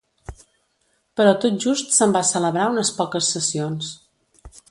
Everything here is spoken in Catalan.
Però tot just se'n va celebrar unes poques sessions.